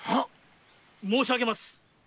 ・申し上げます。